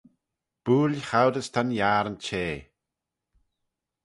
Bwoaill choud as ta'n yiarn cheh